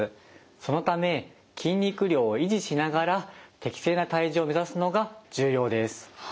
そのため筋肉量を維持しながら適正な体重を目指すのが重要です。